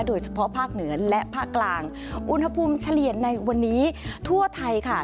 โดยเฉพาะภาคเหนือและภาคกลางอุณหภูมิเฉลี่ยในวันนี้ทั่วไทยค่ะ